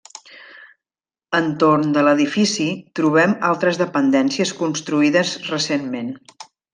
Entorn de l'edifici, trobem altres dependències construïdes recentment.